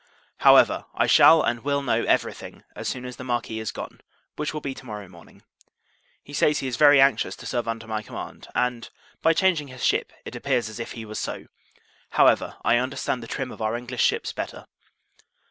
However, I shall and will know every thing as soon as the Marquis is gone, which will be to morrow morning. He says, he is very anxious to serve under my command; and, by his changing his ship, it appears as if he was so: however, I understand the trim of our English ships better.